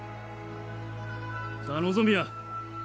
さあ、望みや！